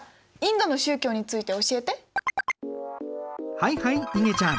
はいはいいげちゃん。